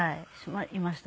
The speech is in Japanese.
いました。